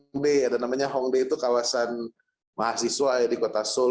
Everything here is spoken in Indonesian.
hongdae namanya hongdae itu kawasan mahasiswa di kota seoul